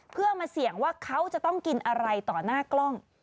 เพื่อมาเสี่ยงว่าเขาจะต้องกินอะไรต่อหน้ากล้อง